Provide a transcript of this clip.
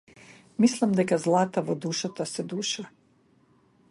Мислам дека злата во душата се душа.